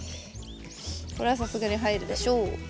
これはさすがに入るでしょう。